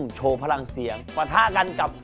อีกเพลงเดียวผมก็จะตีเสมอได้แล้วครับ